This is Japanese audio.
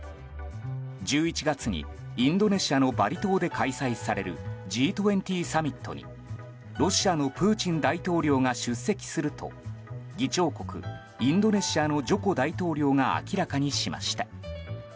１１月にインドネシアのバリ島で開催されるＧ２０サミットにロシアのプーチン大統領が出席すると、議長国インドネシアのジョコ大統領が明らかにしました。